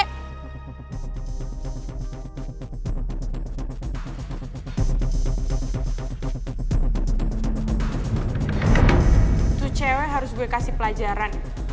itu cewek harus gue kasih pelajaran